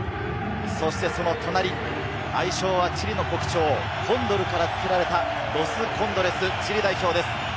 そして、その隣、愛称はチリの国鳥、コンドルから付けられたロス・コンドレス、チリ代表です。